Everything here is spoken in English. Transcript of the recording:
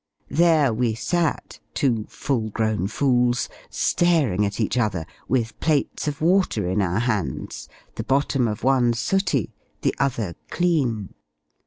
There we sat (two full grown fools) staring at each other, with plates of water in our hands, the bottom of one sooty, the other clean!